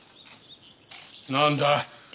何だ？